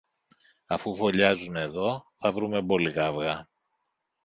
Αφού φωλιάζουν εδώ, θα βρούμε μπόλικα αυγά.